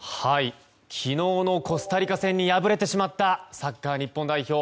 昨日のコスタリカ戦に敗れてしまったサッカー日本代表。